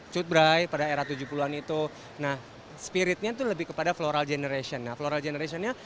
cutbray pada era tujuh puluh an itu nah spiritnya itu lebih kepada floral generation nah floral generationnya